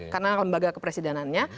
karena lembaga kepresidenannya